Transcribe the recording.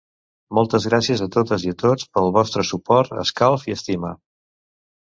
Moltes gràcies a totes i a tots pel vostre suport, escalf i estima.